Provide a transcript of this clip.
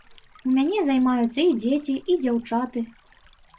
У мяне займаюцца і дзеці, і дзяўчаты.